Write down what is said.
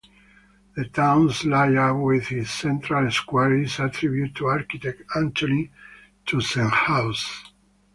The town's layout with its central square is attributed to architect Antoni Tyzenhauz.